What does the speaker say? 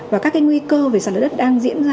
và các cái nguy cơ về sạt lở đất đang diễn ra